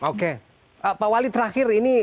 oke pak wali terakhir ini